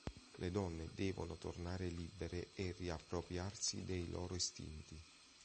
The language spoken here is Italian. Le donne devono tornare libere e riappropriarsi dei loro istinti.